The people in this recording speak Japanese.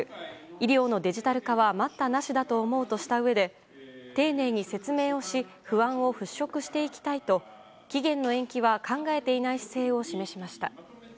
医療のデジタル化は待ったなしだと思うとしたうえで丁寧に説明をし不安を払拭していきたいと期限の延期は考えていない姿勢を示しました。